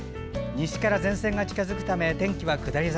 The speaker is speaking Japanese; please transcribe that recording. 西から前線が近づくため天気は下り坂。